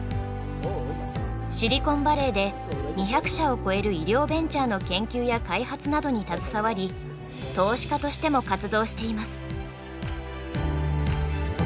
シリコンバレーで２００社を超える医療ベンチャーの研究や開発などに携わり投資家としても活動しています。